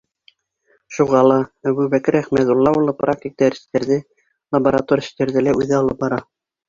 Шуға ла Әбүбәкер Әхмәҙулла улы практик дәрестәрҙе, лаборатор эштәрҙе лә үҙе алып бара.